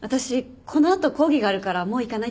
この後講義があるからもう行かないと。